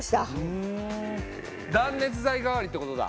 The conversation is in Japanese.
断熱材代わりってことだ。